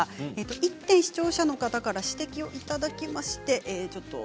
１点、視聴者の方から指摘をいただきました。